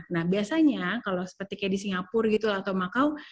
nah biasanya kalau seperti kayak di singapura gitu atau makau